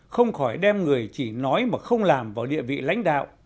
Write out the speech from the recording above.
không khỏi đem người chỉ nói mà không làm vào địa vị lãnh đạo